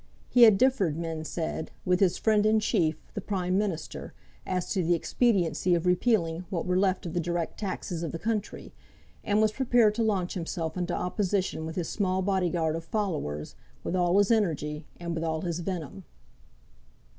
He had differed, men said, with his friend and chief, the Prime Minister, as to the expediency of repealing what were left of the direct taxes of the country, and was prepared to launch himself into opposition with his small bodyguard of followers, with all his energy and with all his venom.